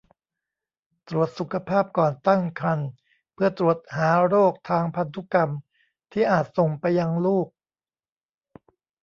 ตรวจสุขภาพก่อนตั้งครรภ์เพื่อตรวจหาโรคทางพันธุกรรมที่อาจส่งไปยังลูก